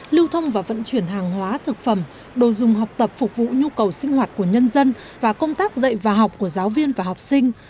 lưu thông và vận chuyển hàng hóa thực phẩm đồ dùng học tập phục vụ nhu cầu sinh hoạt của nhân dân và công tác dạy và học của giáo viên và học sinh